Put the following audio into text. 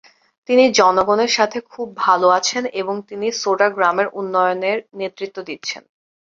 তিনি জনগণের সাথে খুব ভাল আছেন এবং তিনি সোডা গ্রামের উন্নয়নে নেতৃত্ব দিচ্ছেন।